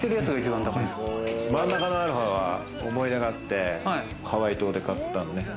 真ん中のアロハは思い入れがあって、ハワイ島で買った。